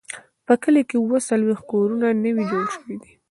په کلي کې اووه څلوېښت کورونه نوي جوړ شوي دي.